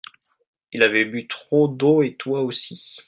il avait bu trop d'eau et toi aussi.